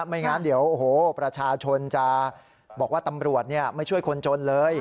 ไม่งั้นเดี๋ยวโอ้โหประชาชนจะบอกว่าตำรวจไม่ช่วยคนจนเลย